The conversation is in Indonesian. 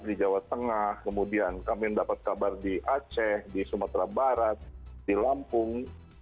di jawa tengah kemudian kami mendapat kabar di aceh di sumatera barat di lampung